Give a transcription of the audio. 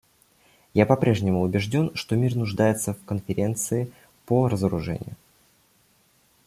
Я по-прежнему убежден, что мир нуждается в Конференции по разоружению.